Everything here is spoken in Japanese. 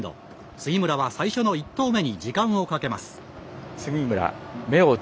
杉村は最初の１投目に時間をかけます。